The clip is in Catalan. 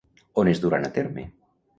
On es duran a terme?